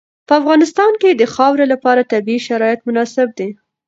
په افغانستان کې د خاوره لپاره طبیعي شرایط مناسب دي.